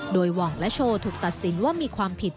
โดยหว่องและโชว์ถูกตัดสินว่ามีความผิด